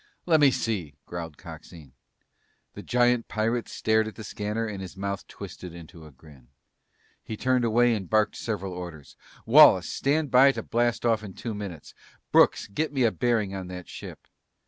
"Lemme see!" growled Coxine. The giant pirate stared at the scanner and his mouth twisted into a grin. He turned away and barked several orders. "Wallace, stand by to blast off in two minutes! Brooks, get me a bearing on that ship."